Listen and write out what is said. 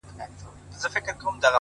• زما په عقیده د شعر پیغام ,